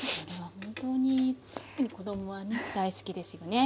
本当に特に子供はね大好きですよね。